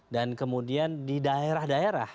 dan kemudian di daerah daerah